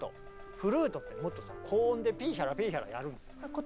フルートってもっとさ高音でピーヒャラピーヒャラやるんですよ。